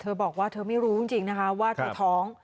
เธอบอกว่าเธอไม่รู้จริงว่าเธอท้อง